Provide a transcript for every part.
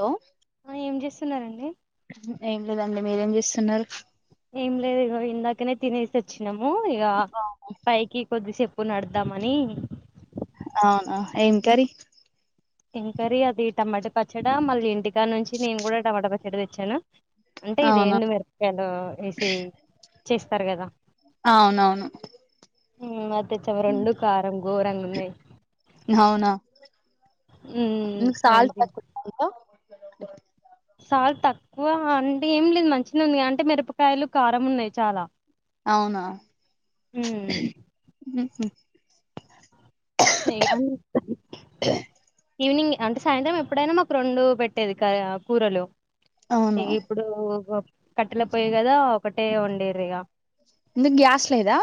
Hello ఆ ఏం చేస్తున్నారండి ఏం లేదండి మీరేం చేస్తున్నారు ఏం లేదు ఇగో ఇందాకనే తినేసి వచ్చినాము ఇక పైకి కొద్దిసేపు నడుద్దామని అవునా ఏం కర్రీ ఏంకర్రీ అది టమాటా పచ్చడా మళ్ళీ ఇంటికాడ నుంచి నేను కూడా టమాటా పచ్చడి తెచ్చాను అంటే ఇది అవునా ఎండు మిరపకాయలు వేసి చేస్తారు కదా అవునవును ఉమ్ అది తెచ్చవ రెండు కారం ఘోరంగా ఉన్నాయ్ అవునా ఉమ్, రెండు సాల్ట్ తిన్ [unintelligible] సాల్ట్ తక్కువ అంటే ఏం లేదు మంచిగ నే ఉంది అంటే మిరపకాయలు కారం ఉన్నాయ్ చాలా అవునా ఉమ్, హే అన్న్ [unintelligible] ఈవినింగ్ అంటే సాయంత్రం ఎప్పుడైనా మాకు రెండు పెట్టేది క కూరలు అవునా ఇక ఇప్పుడు కట్టెల పోయి కదా ఒకటే వండేరు ఇక ఎందుకు గ్యాస్ లేదా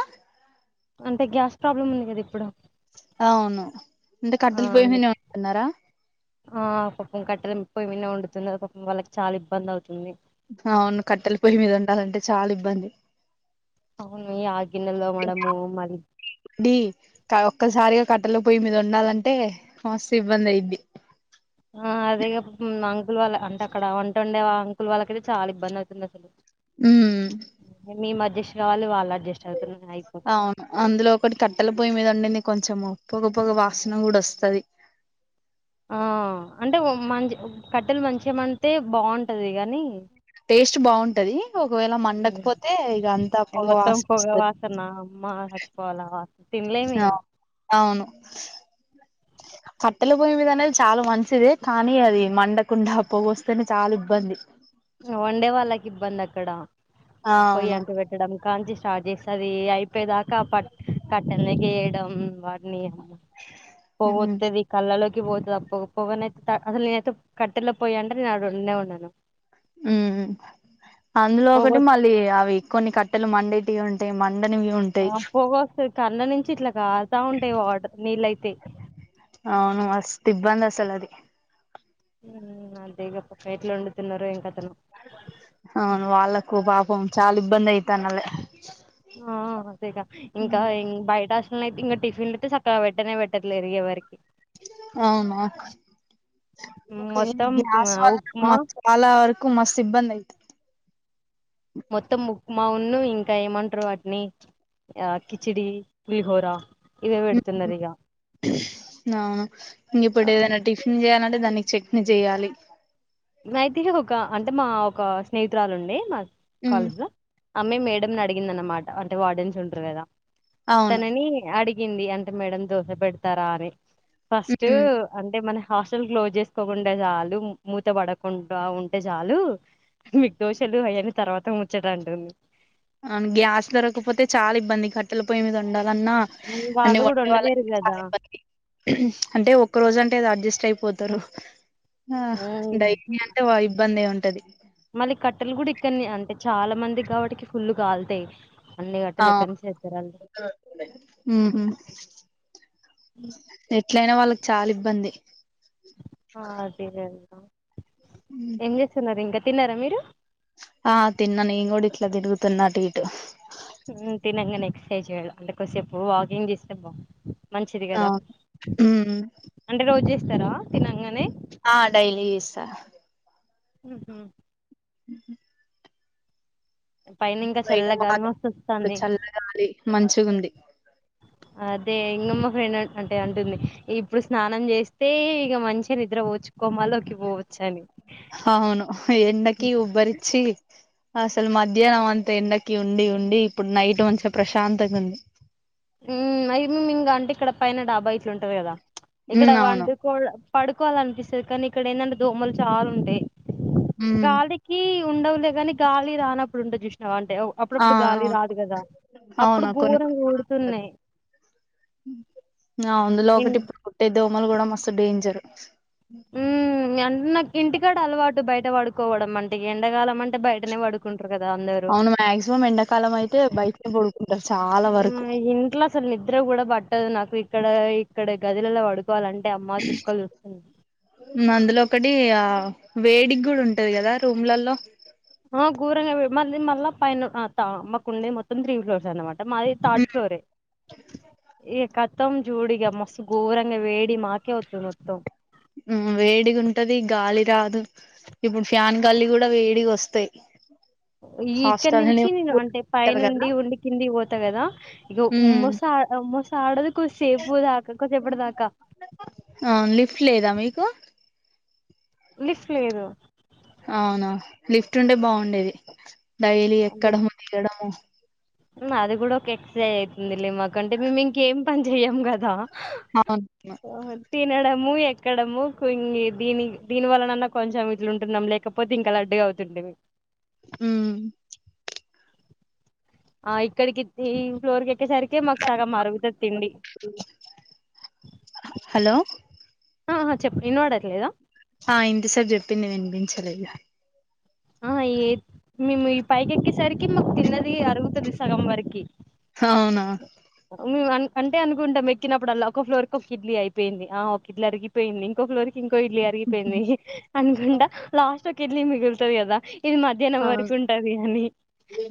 అంటే గ్యాస్ ప్రాబ్లమ్ ఉంది కదా ఇప్పుడు అవును అంటే ఆ కట్టెలు పొయ్యి అందు మీదె వండుతున్నారా ఆ పాపం కట్టెల పొయ్యిమీద నే వండుతున్నారు పాపం వాళ్ళకి చాలా ఇబ్బంది అవుతుంది అవును కట్టెల పొయ్యి మీద ఉండాలంటే చాలా ఇబ్బంది అవును ఈ ఆ గిన్నెలు తోమడము మళ్ళీ డి క ఒక్కసారిగ కట్టల పొయ్యి మీద ఉండాలంటే మస్తు ఇబ్బంది అయిద్ది ఆ అదే అంకుల్ వాళ్ళ అంటే అక్కడ వంట ఉండే అంకుల్ వాళ్ళకైతే చాలా ఇబ్బంది అవుతుంది అసలు ఊమ్ మీ మధ్యస్ వాళ్ళు వాళ్ళు [unintelligible] అవుతున్నారు అయిపో అవును అందులో ఒకటి కట్టల పొయ్యి మీద ఉండింది కొంచెము పొగ పొగ వాసన కూడా వస్తది ఆ అంటే మం కట్టెలు మంచిగ మండితే బాగుంటది కానీ టేస్ట్ బాగుంటది ఒకవేళ మండకపోతే ఇక అంతా పొగ వాసన వస్తది అమ్ చచ్చిపోవాలా అవును కట్టెల పొయ్యి మీద చాలా మంచిదే కానీ అది మండకుండా పొగొస్తేనే చాలా ఇబ్బంది వండే వాళ్ళకి ఇబ్బంది అక్కడ ఆ పొయి అవును అంట పెట్టడం కాంచి స్టార్ట్ చేస్తాది అయి ప కట్టలు ఏగేయడం వాటిని ఉమ్ పోత్తది కళ్ళ లోకి అసలు నేనైతే కట్టెలో పోయా అంటే నేను అడ ఉండనే ఉన్నాను అందులో ఒకటి పొగ మళ్ళీ అవి కొన్ని కట్టెలు మండేటివి ఉంటాయి మ ఆ పోగ వస్తది కళ్ళ నుంచి ఇట్లా కరుతా ఉంటాయి వాటర్ నీళ్ళయితే అవును మస్తు ఇబ్బంది అసలు అది అంతేగా ఎట్లా వండుతున్నారొ ఏం కథానో అవును వాళ్ళాకు పాపం చాలా ఇబ్బంది అయితాన్నది ఆ ఇంకా బయట హాస్టల్ లో అయితే ఇంకా టిఫిన్లు అయితే చక్కగా పెట్టనే పెట్టట్లేదు ఎవరికి అవునా మొత్తం గ్యాస్ వల్ల ఉప్మా మాకు చాలా వరకు మస్తు ఇబ్బంది అయితుంది మొత్తం ఉప్మా ను ఇంకా ఏమంటారు వాటిని ఆ కిచిడి పులిహోర ఇవే పెడుతున్నారు ఇగ అవును ఇంగా ఇప్పుడు ఏదన్న టిఫిన్ చేయ అంటే దానికి చెట్ని చేయాలి ఇగ అయితే ఒక అంటే మా ఒక స్నేహితురాలుండే మా హ్మ్. కాలేజీలో అమ్మే మేడంని అడిగింద అనమాట అంటే వార్డెన్స్ ఉంటరు కదా అవును తనని అడిగి గింది అంటే మేడం దోస పెడతారా అని ఫస్ట్ ఉమ్ అంటే మన హాస్టల్ క్లోజ్ చేసుకోకుంటే చాలు మూ మూత పడకుండా ఉంటే చాలు మిక్ దోశలు అయన్ని తర్వాత ముచ్చట అంటుంది అవును గ్యాస్ దొరకపోతే చాలా ఇబ్బంది కట్టెలు పోయ్యి మీద అంటే వాళ్ళు కూడా వండే ఉండలేరు వాళ్ళాకి చాలా కదా ఇబ్బంది అంటే ఒక్క రోజు అంటే అడ్జస్ట్ అయిపో పోతారు ఆ ఉమ్ డైలీ అంటే ఇబ్బందే ఉంటది మళ్ళీ కట్టెలు కూడా ఇక్కడని అంటే చాలా మంది కాబట్కి ఫుల్లు కాల్తాయి ఆ ఉహు ఎట్లయినా వాళ్ళకి చాలా ఇబ్బంది హ్మ్. ఏం చేస్తున్నారు ఇంకా తిన్నారా మీరు ఆ తిన్న నేను కూడా ఇట్లా తిరుగుతున్న అటు ఇటు తినంగానే ఎక్సర్సైజ్ చేయాలి అంటే కోసేపు వాకింగ్ చేస్తే బా మంచిది కదా అవును ఉమ్ ఆ డైలీ చేస్తా ఉహు ఉహు పైన ఇంకా చల్లగాలి మస్తు వస్తాంది మంచిగుంది అదే ఇంగా మా ఫ్రెండ్ అంటే అంటుంది ఇప్పుడు స్నానం చేస్తే ఇక మంచిగా నిద్ర పోచ్చు కోమలోకి పోవచ్చు అని అవును ఎండకి ఉబ్బరిచ్చి అసలు మధ్యాహ్నం అంతా ఎండకి ఉండి ఉండి ఇప్పుడు నైట్ మంచిగా ప్రశాంతంగా ఉంది మ్మ్ [unintelligible] ఇంగా అంటే ఇక్కడ పైన డాబా ఇట్లా ఉంటది కదా ఇక్కడ ఉమ్ అవును పండుకోవాళ్ళ పడుకోవాలని అనిపిస్తాది కానీ ఇక్కడ ఏందంటే దోమలు చాలా ఉంటాయి ఉమ్ గాలికి ఉండవులేగాని గాలి రానప్పుడు ఉంటాది చూసావ ఆ అప్పుడప్పుడు గాలి అవును రాదు కదా అప్పుడు అవును కొన్ని ఘోరు కొన్ని కూ ఆ అందులో ఇన్ ఒకటి ఇప్పుడు కుట్టిద్దాం దోమలు కూడా మస్తు డేంజర్ ఊ మీ అన్న [unintelligible] ఇంటికాడ అలవాటు బయట పడుకోవడం అంటే ఎండకాలం అంటే బయటనే పడుకు అవును మ్యాగ్జిమం ఎండాకాలం అయితే బయటనే పడుకు ఇంట్లో అసలు నిద్ర కూడా పట్టదు నాకు ఇక్కడ ఇక్కడ గదిలలో పడు కోవాలంటే అమ్మ చుక్కలు చూస్తుంది. హ్మ్. అందులో ఒకటి ఆ వేడిగా కూడా ఉంటది కదా రూమ్లలో ఆ ఘోరంగా మళ్ళీ మళ్ళా పైన అంత మాకు ఉండే మొత్తం త్రీ ఫ్లోర్స్ అన్నమాట. మాది థర్డ్ ఫ్లోర్ ఏ ఈక మొత్తం జూడిగా మస్తు ఘోరంగా వేడి మాకే వత్తాది మొత్తం హు వేడిగా ఉంటది గాలి రాదు. ఇప్పుడు ఫ్యాన్ గాలి కూడా వేడిగా వస్తాయి. ఈ ఇక్కడ హాస్టల్ నుంచి నేను అంటే కదా పైనుండి ఉండి కింది పోతా కదా ఇక ఉమ్ మోస అ అ మోస్ ఆడదు కొసేపు దాకా కొసేపడు దాకా అవును లిఫ్ట్ లేదా మీకు లిప్ట్ లేదు అవునా లిఫ్ట్ ఉంటే బావుండేది డైలీ ఎక్కడము, దిగడము అది కూడా ఒక ఎక్సర్సైజ్ అయితుంది లే మాకంటే మేము ఇంకేం పని చెయ్యాం కదా. అవును ము ఎక్కడము దీని దీని వలనన్నా కొంచెం ఇట్లుంటున్నాం లేకపోతే ఇంకా లడ్డుగా అవుతుం హు హు ఆ ఇక్కడికి త్రీ ఫ్లోర్ క ఎక్కేసరికి మాకు సగం అరుగుతుంది తిండి. హలో హా చెప్పు విన్వడట్లేదా ఆ ఇంత సేపు చెప్పింది వినిపించలేదా ఆ ఏ మేము ఈ పైక ఎక్కేసరికి మాకు తిన్నది అరుగుతుది సగం వరకి అవునా మేము అన్ అంటే అనుకుంటాం ఎక్కినప్పుడుల్లా ఒక ఫ్లోర్కి ఒక ఇడ్లీ అయిపోయింది. ఆ ఒక ఇడ్లీ అరిగిపోయింది ఇంకొ ఫ్లోర్కి ఇంకో ఇడ్లీ అరిగిపోయింది. హి అనుకుంటా లాస్ట్ ఒక ఇడ్లీ మిగులుతది కదా. ఇది మధ్యాహ్నం ఆ వరకు ఉంటది అని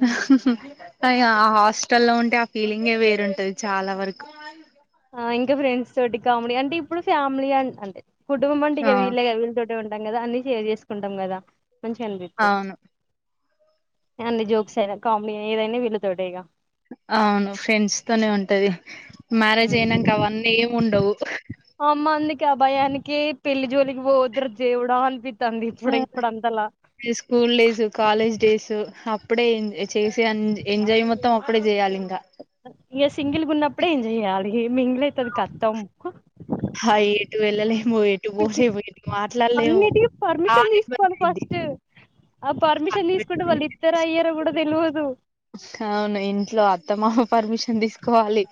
హాహా అయ హాస్టల్ లో ఉంట ట ఆ ఫీలింగే వేరుంటది చాలా వరకు ఆ ఇంకా ఫ్రెండ్స్ తోటి కామెడీ అంటే ఇప్పుడు ఫ్యామిలీ అ అంటే కుటుంబం అంటే ఆ ఇక వీళ్ళే వీళ్ళతోట ఉంటాం కదా అన్ని షేర్ చేసుకుంటాం కదా. మంచిగా అనిపిస్తుంది. అవును ఏమన్నా జోక్స్ అయినా కామెడీ ఏదైనా వీళ్ళతోటే ఇగ అవును ఫ్రెండ్స్ తోనే ఉంటది. మ్యారేజ్ అయినాక అవన్నీ ఏమి ఉండవు. అమ్మ అందుకే అ భయానికి పెళ్లి జోలికి పోవద్దుర దేవుడా అనిపి హా స్కూల్ డేస్, కాలేజ్ డేసు అప్పుడే ఎం చేసే ఎంజాయ్ మొత్తం అప్పుడే చేయ్యాలి ఇంగ. ఇ సింగిల్ ఉన్నప్పుడే ఎంజాయ్ చెయాలి మింగిల్ అయితే కతం హైటు వెళ్ళలేము ఎటుపోలేము ఏది మాటల అన్నిటికి పర్మిషన్ తీసుకోవలి అయిద్ది ఫస్ట్ ఆ పర్మిషన్ తీసుకుంటే వాళ్ళు ఇత్తరో అయ్యరో కూడా తెలవదు. అవును ఇంట్లో అత్తమామ పర్మిషన్ తీసుకోవాలి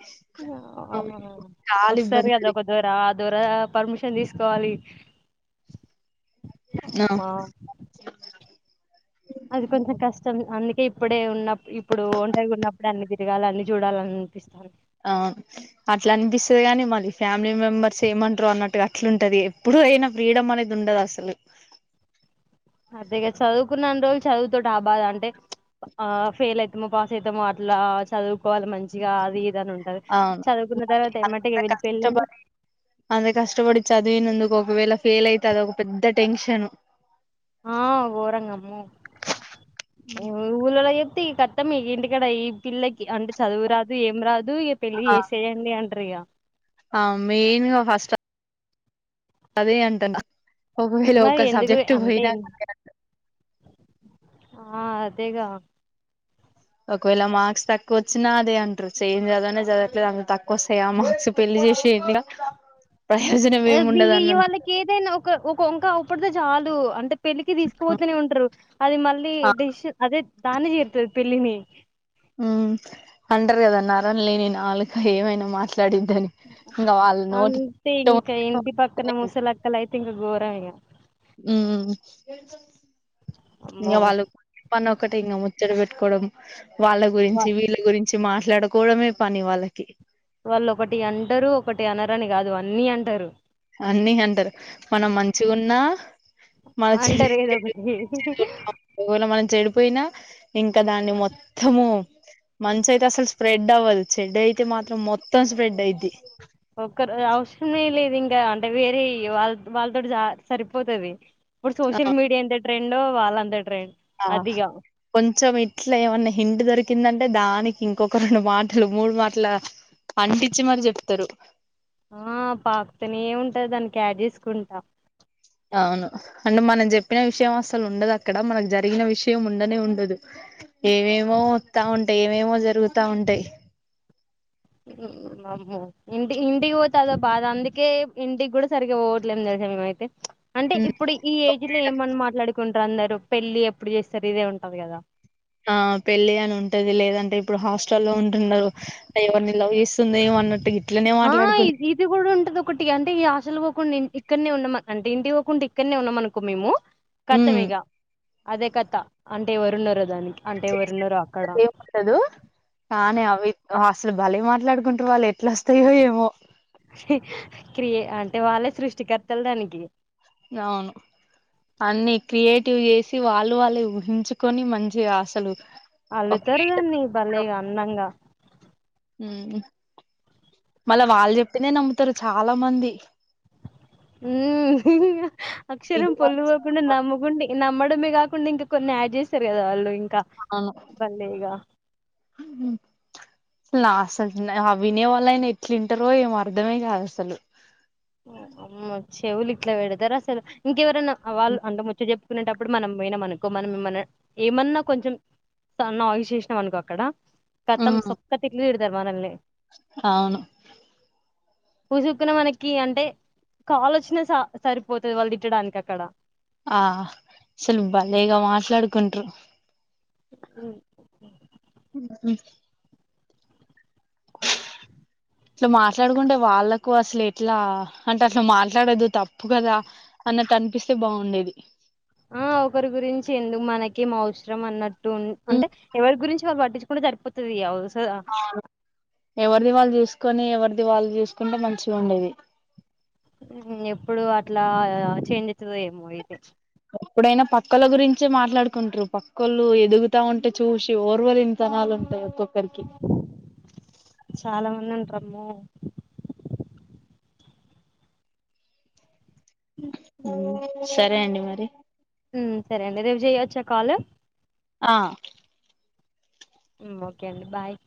ఆ అవును, చాలా వస్తారు ఇబ్బంది కదా అది ఒక దొరద్ త్వరగా పర్మిషన్ తీసుకోవాలి. న అమ్మా అది కొంచం కష్టం అందుకే ఇప్పు ఇప్పుడే ఉన్న ఇప్పుడు ఒంటరిగా ఉన్నప్పుడు అన్ని తిరగాలి, అన్ని చూడాలని అనిపిస్తాను. ఆ అట్లా అనిపిస్తది కాని మాది ఫ్యామిలీ మెంబర్స్ ఏమంటారు అన్నట్టుగా అట్లుంటది. ఎప్పుడు ను అయినా ఫ్రీడం అనేది ఉండదు అసలు అదేగద చదువుకున్నన్న రోజులు చదువుతో ఆ బాద అంటే చ్ ఆ ఫెయిల్ అవుతామో, పాస్ అవుతామో అట్లా ఇలా చదువుకోవాలి మంచిగా అది జ నుంటది అవును చదువుకున్న మళ్ళీ తర్వాత ఏమంటే ఇగ అంత వీళ్లు పెళ్ళంటే కష్టపడి అంత కష్టపడి చదివినందుకు ఒకవేళ ఫెయిల్ అయితే అదొ ఒక పెద్ద టెన్షను. ఆ గోరంగ అమ్మో ఈ ఊళ్ళలాయ్యే అ ఇక కత్తం ఇంటికడ ఈ పిల్లకి అంటే చదువు రాదు ఏం రాదు ఇక పెళ్ళి చేసేయండి అం టరు ఇగ ఆ మెయిన్గా ఫస్ట్ అదే అంట నా ఒకవేళ మరి ఒక ఎందుకు సబ్జెక్ట్ అంటే పోయినా ఆ అదేగా ఒకవేళ మార్క్స్ తక్కువ వచ్చినా అదే అంటారు చే ఏం చదవనే చదవలేదు అంత తక్కువ వస్తాయి ఆ మార్క్స్ పెళ్లి చేసేయండిగా ప్రయోజనం అ ఏమి బి ఉండదు ఇ ఇ అన్న వాళ్ళకి ఏదైనా ఒక ఒక వంకా ఒకప్పుటిదే చాలు అంటే పెళ్లికి తీసుకుపోతనే ఉంటారు అది మళ్ళీ డిష్ అదే దాన్ని చేరుతుంది పెళ్లిని మ్ అంటారు కదా నరం లేనీ నాలుక ఏమైనా మా ట్లాడిదని ఇంకా వాళ్ళ నోటి అంతే ఇంకా ఇంటి పక్కన ముసలక్కలు అయితే ఇంకా గోరం ఇగ ఉమ్ ఇంగ అమ్మో వాళ్ళ ప ఒకటె ఇంకా ముచ్చడి పెట్టుకోవడం వాళ్ళ వా గురించి వీళ్ళ గురిం చి మాట్లాడుకోవడమే పని వాళ్ళకి వాళ్ళు ఒకటి అంటరు ఒకటి అనరని కాదు అన్ని అంటారు అన్ని అంటరు మనం మంచిగున్నా మన చెడు అంటారు ఏదో ఒకటి మన చెడు వున్న పోయినా ఇంకా దాన్ని మొత్తము మంచి అయితే అసలు స్ప్రెడ్ అవ్వదు చెడ్ అయితే మాత్రం మొత్తం స్ప్రెడ్ అయిది ఒ అవసరమే లేదు ఇంకా అంటే వేరే వాళ్ళ వాళ్ళతో జ సరిపోతుది ఇప్పుడు ఆ సోషల్ మీడియా ఎంత ట్రెండో వాళ్ళ అంత ఆ కొంచెం ఇట్లా ఏమన్నా హింటు దొరికిందంటే దాని కి ఇంకొక రెండు మాటలు మూడు మాటల అంటించి మరి చెప్తారు ఆ పాకుతనే ఉంటది దానికి యాడ్ చేసుకుంటా అవును అంటే మనం చెప్పిన విషయం అసలు ఉండదు అక్కడ మనకు జరిగిన విషయం ఉండనే ఉండదు ఏమేమో వస్తా ఉంటాయి ఏమేమో జరుగుతా ఉంటాయి అమ్మో ఇంటి ఇంటికి పోతే అదోబాధ అందుకే ఇంటికి కూడా సరిగ్గా పోవట్లేము ఆయితే అంటే ఉమ్. ఇప్పుడు ఈ ఏజ్ లో ఏమని మాట్లాడుకుం టరు అందరు పెళ్లి ఎప్పుడు చేస్తారు ఇదే ఉంటది కదా ఆ పెళ్ళి అని ఉంటది లేదంటే ఇప్పుడు హాస్టల్ల్లో ఉ న్నారు ఎవరిని లవ్ చేస్తుందేమో అన్నట్టు ఇట్లనే ఆ మాట్లాడుకుని ఇది ఇది కూడా ఉండదు ఒకటి అంటే ఈ హాస్టల్ పోకుండా ఇక్కడనే ఉన్నా అంటే ఇంటి పోకుండా ఇక్కడనే ఉన్నాం అనుకో మేము ఖతం ఇగ అదే కథ అంటే ఎరున్నారో దానికి అంటే ఎవరున్నారో చేసినట్టు అక్కడ ఏం ఉండదు కానీ అవి వాస్ అసలు భలే మాట్లాడుకుంటారు వాళ్ళు ఎట్లా వస్తాయో ఏమో క్రియ అంటే వాళ్ళే సృష్టికర్తలు దానికి వేసి వాళ్ళు వాళ్లే ఊహించుకొని మంచిగా అసలు ఒక అల్లుతారు దాన్ని భలేగా అందంగా మళ్ళా వాళ్ళు చెప్పిందే నమ్ముతారు చాలా మంది మ్ ఇది అక్షరం పొల్లు పోకుండ నమ్మకుండ నమ్ ఇడమే కాకుండా ఇంకా కొన్ని యాడ్ చేశారు కదా వాళ్ళు ఇంకా అవును క బలేగా నా అసలు ఆ వినేవాళ్ళయినా ఎట్లుంటారో ఏమో అర్ధమే కాదు అసలు అమ్మ చెవులు ఇట్లా పెడతారు అసలు ఇంకెవరైనా వాళ్ళు అంటె ముచ్చట కునేటప్పుడు మనం పోయినమనుకో మనం ఏమన్నా ఏమన్నా కొంచెం సన్న వాయిస్ చేసినాం అనుకో అక్కడ ఖతం ఉమ్ సొక్క తిట్లు తీడతారు మనల్ని అవును కుసోకపోయిన మనకి కి అంటే కాలుచ్చిన స సరిపోతది వాళ్ళు తిట్టడానికి అక్కడ ఆ అసలు బాలేగా మాట్లాడుకుంట్రు హ్మ్. హ్మ్ ఉమ్ ఇట్లా మాట్లాడుకుంటే వాళ్ళలకు అసలు ఎట్లా అంటే అట్లా మాట్లాడదు తప్పు కదా అన్నట్టు అనిపిస్తే బాగుండేది ఆ ఒకరి గురించి ఎందుకు మనకిేం అవసరం అన్నట్టు ఉమ్ అంటే ఎవరి గురించి వాళ్ళు పట్టించుకుంటే సరిపోతది ఇయా అవసద అవును ఎవరిది వాళ్ళు చూసుకొని ఎవరిది వాళ్ళు చూసుకుంటే మంచిగా ఉండేది హ్మ్ ఎప్పుడు అట్లా చేంజ్ అయితదేమో ఇది ఎప్పుడైనా పక్కల గురించే మాట్లాడుకుంటురు పక్కోళ్ళు ఎదుగుతా ఉంటే చూసి ఓర్వలుం తనాలు ఉంటాయి ఒక్కొక్కరికి చాలా మంది ఉంటారు అమ్మో సరే అండి మరి హ్మ్ సరే అండి రేపు చేయచ్చ కాలు ఆ హ్మ్ ఓకే అండి బాయ్